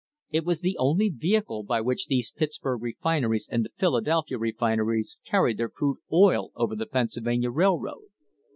It was the only vehicle by which these Pittsburg refineries and the Philadelphia, re fineries carried their crude oil over the Pennsylvania Railroad.